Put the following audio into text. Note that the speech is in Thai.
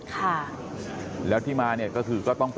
ลูกสาวหลายครั้งแล้วว่าไม่ได้คุยกับแจ๊บเลยลองฟังนะคะ